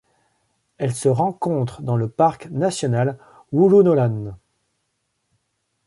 Elle se rencontre dans le parc national Wooroonooran.